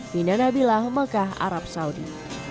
fina nabilah mekah arab saudi